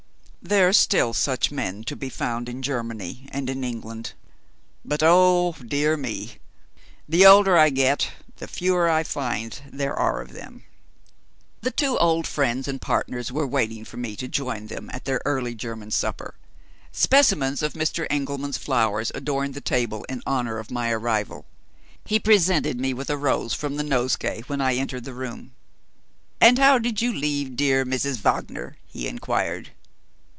There are still such men to be found in Germany and in England; but, oh! dear me, the older I get the fewer I find there are of them. The two old friends and partners were waiting for me to join them at their early German supper. Specimens of Mr. Engelman's flowers adorned the table in honor of my arrival. He presented me with a rose from the nosegay when I entered the room. "And how did you leave dear Mrs. Wagner?" he inquired.